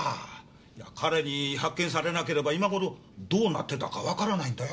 いや彼に発見されなければ今頃どうなってたかわからないんだよ。